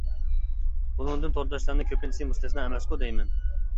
بۇنىڭدىن تورداشلارنىڭ كۆپىنچىسى مۇستەسنا ئەمەسقۇ دەيمەن.